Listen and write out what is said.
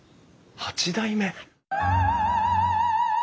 八代目！